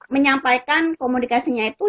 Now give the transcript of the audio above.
menyampaikan komunikasinya itu